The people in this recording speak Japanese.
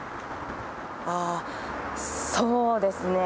そうですね。